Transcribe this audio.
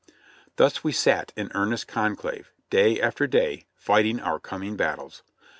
Thus we sat in earnest conclave, day after day, fighting our coming battles.